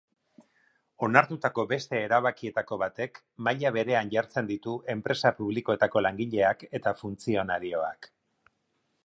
Onartutako beste erabakietako batek maila berean jartzen ditu enpresa publikoetako langileak eta funtzionarioak.